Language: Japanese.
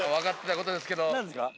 何ですか？